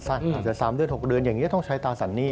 แต่๓เดือน๖เดือนอย่างนี้ก็ต้องใช้ตาสันนี่